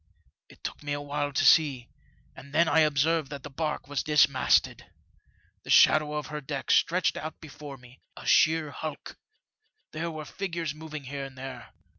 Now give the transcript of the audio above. It took me awhile to see, and then I observed that the barque was dismasted. The shadow of her deck stretched out before me — a sheer hulk ! There were figures moving here and there.